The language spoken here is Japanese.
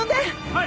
はい！